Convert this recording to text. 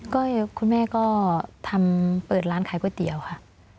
ก็คุณแม่ก็ทำเปิดร้านขายก๋วยเตี๋ยวค่ะ